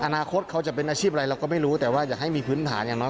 อนาคตเขาจะเป็นอาชีพอะไรเราก็ไม่รู้แต่ว่าอยากให้มีพื้นฐานอย่างน้อย